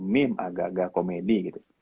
meme agak agak komedi